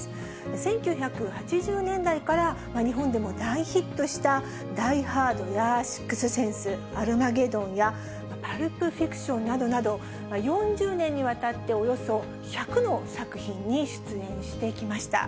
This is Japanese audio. １９８０年代から日本でも大ヒットしたダイ・ハードやシックス・センス、アルマゲドンやパルプ・フィクションなどなど、４０年にわたって、およそ１００の作品に出演してきました。